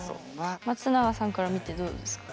松永さんから見てどうですか？